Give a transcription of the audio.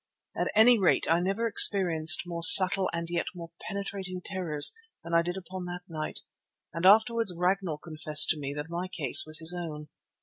At any rate I never experienced more subtle and yet more penetrating terrors than I did upon that night, and afterwards Ragnall confessed to me that my case was his own.